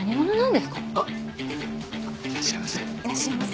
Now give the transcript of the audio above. いらっしゃいませ。